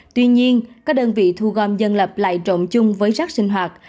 tuy nhiên các đơn vị thu gom dân lập lại trộn chung với rác sinh hoạt